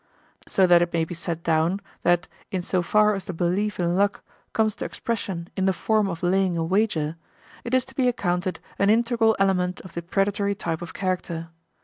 So that it may be set down that in so far as the belief in luck comes to expression in the form of laying a wager, it is to be accounted an integral element of the predatory type of character.